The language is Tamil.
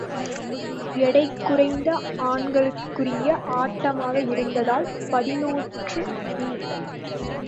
எடைக்குக்குறைந்த ஆண்களுக்குரிய ஆட்டமாக இருந்தால் பதினொன்று மீ.